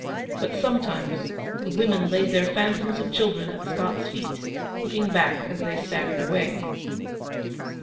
But sometimes the women laid their phantoms of children at Scott's feet, looking back as they staggered away.